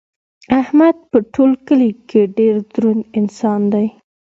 احمد په ټول کلي کې ډېر دروند انسان دی.